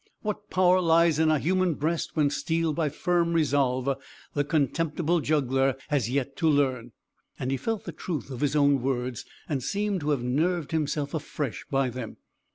What power lies in a human breast when steeled by firm resolve, the contemptible juggler has yet to learn." And he felt the truth of his own words, and seemed to have nerved himself afresh by them.